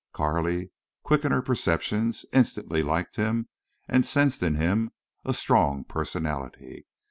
Carley, quick in her perceptions, instantly liked him and sensed in him a strong personality.